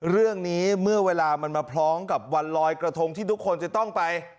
เมื่อเวลามันมาพร้อมกับวันลอยกระทงที่ทุกคนจะต้องไป